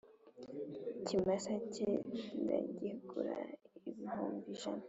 ikimasa cye ndakigura ibihumbi ijana